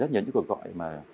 rất nhiều những cuộc gọi mà